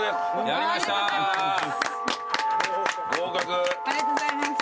ありがとうございます。